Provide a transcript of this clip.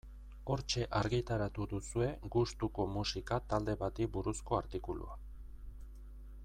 Hortxe argitaratu duzue gustuko musika talde bati buruzko artikulua.